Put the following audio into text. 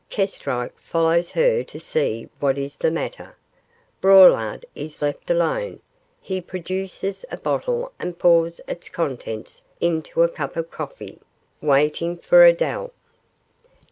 Kestrike follows her to see what is the matter. Braulard is left alone; he produces a bottle and pours its contents into a cup of coffee, waiting for Adele.